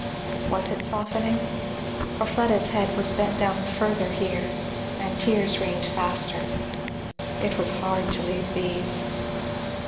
Was it softening? for Fleda's head was bent down further here, and tears rained faster. It was hard to leave these!